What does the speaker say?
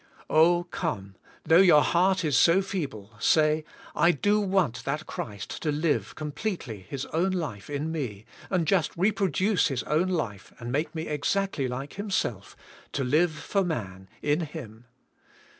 Oh ! come, though your heart is so feeble, say, I do want that Christ to live, completely. His own life in me, and just reproduce His own life and make me exactly like Himself, to live for man, in Him.